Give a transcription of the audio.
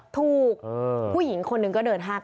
ถูกผู้หญิงคนหนึ่งก็เดินห้าง